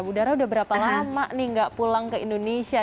budara udah berapa lama nih gak pulang ke indonesia